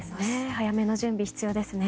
早めの準備が必要ですね。